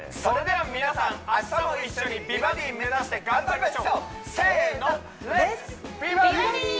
それでは皆さん明日も一緒に美バディ目指して頑張りましょうせーのレッツ！